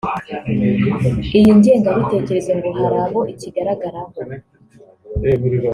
Iyi ngengabitekerezo ngo hari abo ikigaragaraho